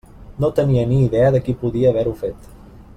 No tenia ni idea de qui podia haver-ho fet.